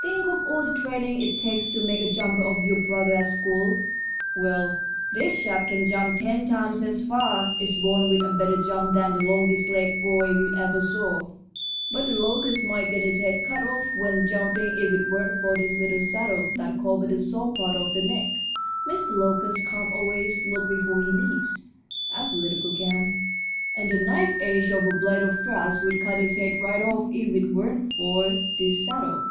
Think of all the training it takes to make a jumper of your brother at school. Well, this chap can jump ten times as far. It's born with a better jump than the longest legged boy you ever saw. But the locust might get its head cut off when jumping if it weren't for this little saddle that covers the soft part of the neck. Mr. Locust can't always look before he leaps, as a little girl can, and the knife edge of a blade of grass would cut its head right off if it weren't for this saddle.